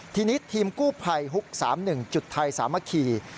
ทีนี้ทีมกู้ภัยฮุก๓๑จุดไทยสามัคคี